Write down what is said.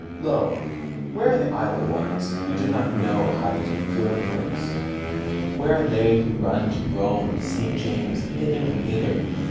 Lo! where are the idle ones, who do not know how to do good works? Where are they who run to Rome, to St. James, hither and thither?